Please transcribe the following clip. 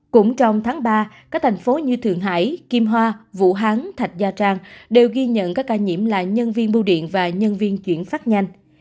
cũng trong tháng ba các thành phố như thượng hải kim hoa vũ hán thạch nha trang đều ghi nhận các ca nhiễm là nhân viên bưu điện và nhân viên chuyển phát nhanh